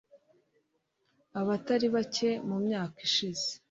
abatari bake mu myaka ishize